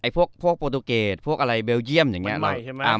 พวกปอตูเกศบริเวียนเยียม